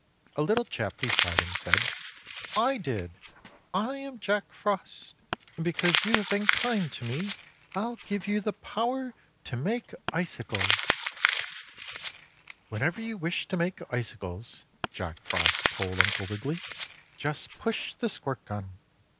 A little chap beside him said: "I did! I am Jack Frost. And, because you have been kind to me, I'll give you the power to make icicles!" 2. "Whenever you wish to make icicles," Jack Frost told Uncle Wiggily, "just push the squirt gun.